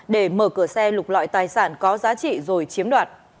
để mở cửa xe lục loại tài sản có giá trị rồi chiếm đoạt